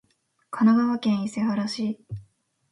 神奈川県伊勢原市